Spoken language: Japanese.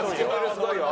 すごいよ。